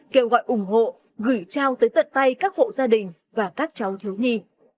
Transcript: kêu gọi ủng hộ gửi trao tới tận tay các hộ gia đình và các cháu thiếu nhi